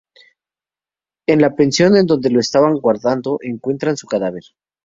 En la pensión en donde lo estaban guardando, encuentran su cadáver.